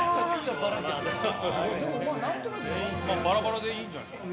バラバラでいいんじゃないですか。